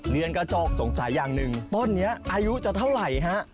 เรียนกระจกสงสัยอย่างหนึ่งต้นนี้อายุจะเท่าไหร่ฮะ